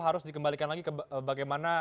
harus dikembalikan lagi ke bagaimana